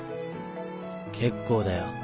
結構だよ